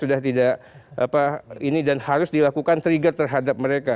sudah tidak apa ini dan harus dilakukan trigger terhadap mereka